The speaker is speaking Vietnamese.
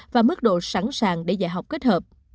và mức độ sẵn sàng để dạy học kết hợp